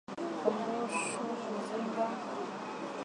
kongosho kuvimba